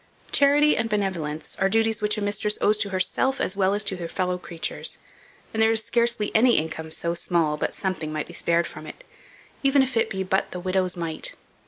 CHARITY AND BENEVOLENCE ARE DUTIES which a mistress owes to herself as well as to her fellow creatures; and there is scarcely any income so small, but something may be spared from it, even if it be but "the widow's mite."